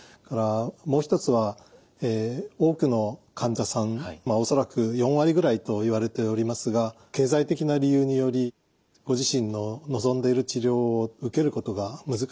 もう一つは多くの患者さん恐らく４割ぐらいといわれておりますが経済的な理由によりご自身の望んでいる治療を受けることが難しい。